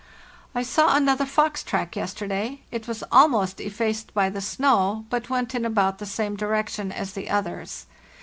"T saw another fox track yesterday; it was almost effaced by the snow, but went in about the same di rection as the others.